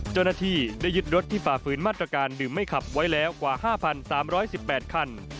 เจ้าหน้าที่ได้ยึดรถที่ฝ่าฝืนมาตรการดื่มไม่ขับไว้แล้วกว่า๕๓๑๘คัน